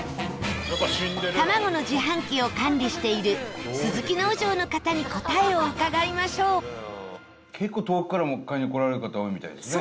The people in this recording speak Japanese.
卵の自販機を管理している鈴木農場の方に答えを伺いましょう結構、遠くからも買いに来られる方多いみたいですね。